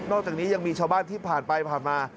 อกจากนี้ยังมีชาวบ้านที่ผ่านไปผ่านมา